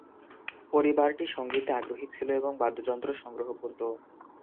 পরিবারটি সঙ্গীতে আগ্রহী ছিল এবং বাদ্যযন্ত্র সংগ্রহ করত।